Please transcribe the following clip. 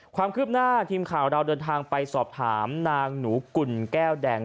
ความคืบหน้าทีมข่าวเราเดินทางไปสอบถามนางหนูกุลแก้วแดง